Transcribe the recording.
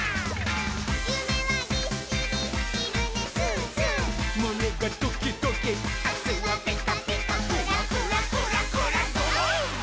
「ゆめはぎっしりひるねすーすー」「むねがドキドキ」「あすはピカピカ」「クラクラクラクラドロン！」